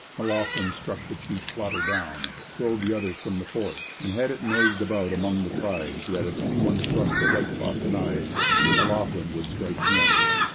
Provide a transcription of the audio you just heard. M'Loughlin struck the chief plotter down, drove the others from the fort, and had it noised about among the tribes that if any one struck the white 'Bostonnais,' M'Loughlin would strike him.